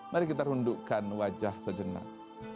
mari kita rundukkan wajah sejenak